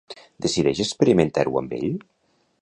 Decideix experimentar-ho amb ell?